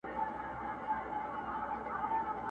ویل پوه لا د ژوندون په قانون نه یې٫